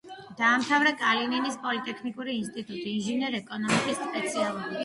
დაამთავრა კალინინის პოლიტექნიკური ინსტიტუტი ინჟინერ-ეკონომისტის სპეციალობით.